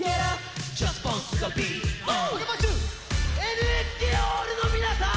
ＮＨＫホールの皆さん！